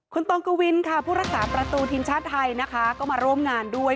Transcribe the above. คุณตองกวินค่ะผู้รักษาประตูทีมชาติไทยนะคะก็มาร่วมงานด้วย